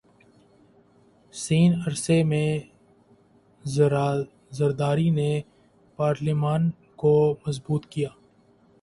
س عرصے میں زرداری نے پارلیمان کو مضبوط کیا